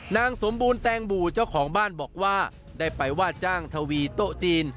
นางสมบูรณแตงบู่เจ้าของบ้านบอกว่าได้ไปว่าจ้างทวีโต๊ะจีน